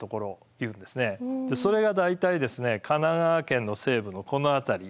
それが大体神奈川県の西部のこの辺り。